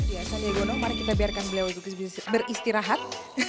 ya saya egyono mari kita biarkan beliau beristirahat